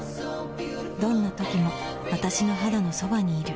どんな時も私の肌のそばにいる